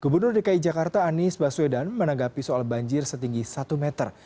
gubernur dki jakarta anies baswedan menanggapi soal banjir setinggi satu meter